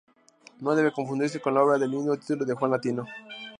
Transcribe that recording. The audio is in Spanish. No debe confundirse con la obra del mismo título de Juan Latino.